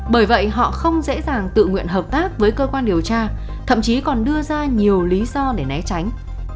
bởi vậy họ không dễ dàng tự nguyện hợp tác với cơ quan điều tra thậm chí còn đưa ra nhiều lý do để né tránh